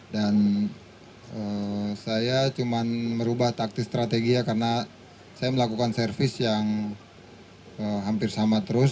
dan saya cuma merubah taktis strategia karena saya melakukan servis yang hampir sama terus